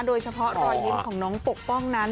โดยเฉพาะรอยยิ้มของน้องปกป้องนั้น